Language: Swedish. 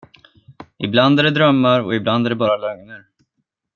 Ibland är det drömmar och ibland är det bara lögner.